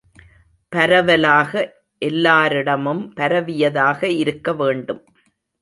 பரவலாக எல்லாரிடமும் பரவியதாக இருக்க வேண்டும்.